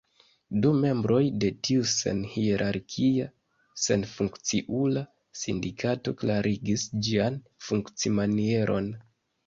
Du membroj de tiu senhierarkia, senfunkciula sindikato klarigis ĝian funkcimanieron.